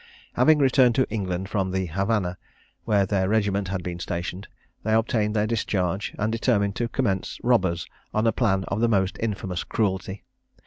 Having returned to England from the Havannah, where their regiment had been stationed, they obtained their discharge, and determined to commence robbers on a plan of the most infamous cruelty.